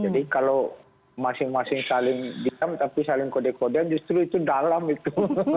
jadi kalau masing masing saling diam tapi saling kode kodean justru itu dalam itu